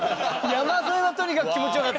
山添はとにかく気持ちよかった。